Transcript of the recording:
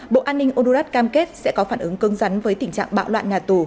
bộ an ninh orduras cam kết sẽ có phản ứng cưng rắn với tình trạng bạo loạn nhà tù